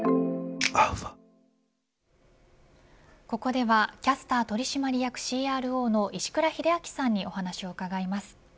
ここではキャスター取締役ＣＲＯの石倉秀明さんにお話を伺います。